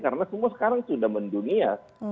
karena semua sekarang sudah mendunia